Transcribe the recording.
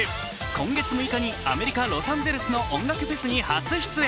今月６日にアメリカ・ロサンゼルスの音楽フェスに初出演。